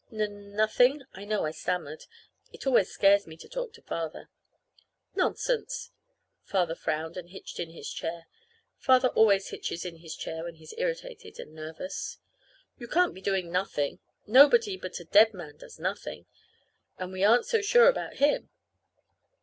"N nothing." I know I stammered. It always scares me to talk to Father. "Nonsense!" Father frowned and hitched in his chair. Father always hitches in his chair when he's irritated and nervous. "You can't be doing nothing. Nobody but a dead man does nothing and we aren't so sure about him.